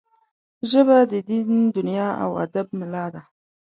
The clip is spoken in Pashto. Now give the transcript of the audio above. ژبه د دین، دنیا او ادب ملا ده